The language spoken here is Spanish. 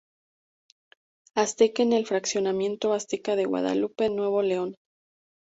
Azteca en el Fraccionamiento Azteca de Guadalupe Nuevo León.